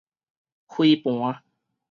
飛盤